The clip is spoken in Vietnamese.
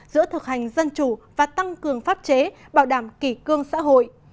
giữa thực hành dân chủ và tăng cường pháp chế bảo đảm kỷ cương xã hội